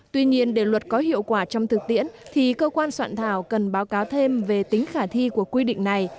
tuy nhiên để luật có hiệu quả trong thực tiễn thì cơ quan soạn thảo cần báo cáo thêm về tính khả thi của quy định này